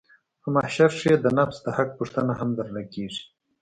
په محشر کښې د نفس د حق پوښتنه هم درنه کېږي.